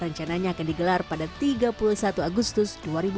rencananya akan digelar pada tiga puluh satu agustus dua ribu dua puluh